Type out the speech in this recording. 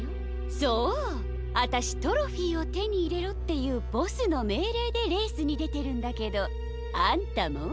そうあたしトロフィーをてにいれろっていうボスのめいれいでレースにでてるんだけどあんたも？